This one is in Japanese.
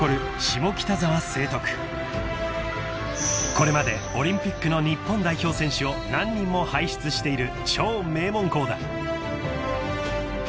［これまでオリンピックの日本代表選手を何人も輩出している超名門校だ］